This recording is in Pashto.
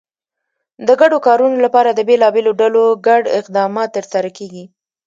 د ګډو کارونو لپاره د بېلابېلو ډلو ګډ اقدامات ترسره کېږي.